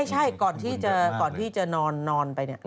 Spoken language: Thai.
ก่อนที่จะนอนไปเนี่ย